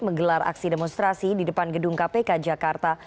menggelar aksi demonstrasi di depan gedung kpk jakarta